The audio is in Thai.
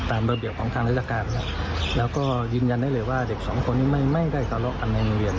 ระเบียบของทางราชการแล้วก็ยืนยันได้เลยว่าเด็กสองคนนี้ไม่ได้ทะเลาะกันในโรงเรียน